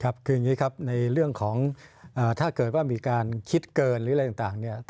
คืออย่างนี้ครับในเรื่องของถ้าเกิดว่ามีการคิดเกินหรืออะไรต่าง